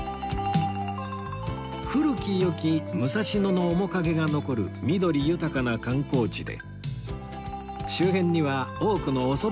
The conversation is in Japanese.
古き良き武蔵野の面影が残る緑豊かな観光地で